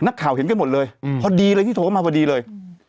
นักข่าวเห็นกันหมดเลยพอดีเลยที่โทรมาพอดีเลย